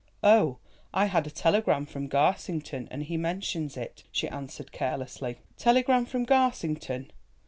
"Oh, I had a telegram from Garsington, and he mentions it," she answered carelessly. "Telegram from Garsington!